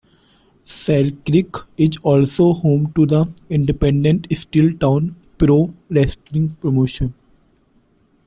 Selkirk is also home to the independent Steeltown Pro Wrestling promotion.